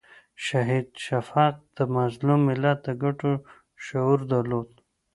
شهید شفیق د مظلوم ملت د ګټو شعور درلود.